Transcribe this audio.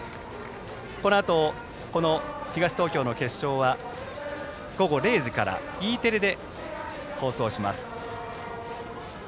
このあと東東京の決勝は午後０時からＥテレで放送します。